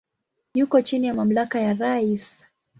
Yuko chini ya mamlaka ya rais.